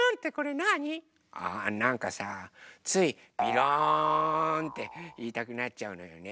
あなんかさつい「びろん」っていいたくなっちゃうのよね。